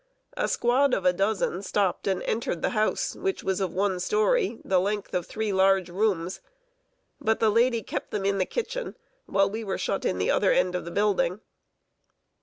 A squad of a dozen stopped and entered the house, which was of one story, the length of three large rooms. But the lady kept them in the kitchen, while we were shut in the other end of the building.